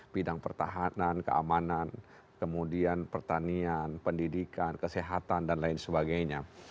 bidang pertahanan keamanan kemudian pertanian pendidikan kesehatan dan lain sebagainya